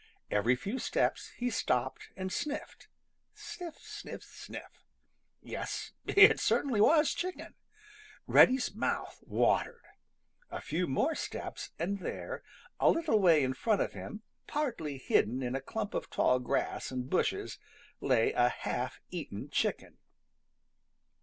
Every few steps he stopped and sniffed. Sniff, sniff, sniff! Yes, it certainly was chicken. Reddy's mouth watered. A few more steps and there, a little way in front of him, partly hidden in a clump of tall grass and bushes, lay a half eaten chicken.